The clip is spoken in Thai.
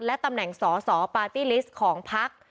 และตำแหน่งสอสอปาร์ตี้ลิสต์ของพัก